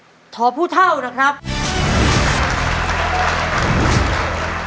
คุณยายแจ้วเลือกตอบจังหวัดนครราชสีมานะครับ